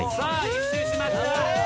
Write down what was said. １周しました。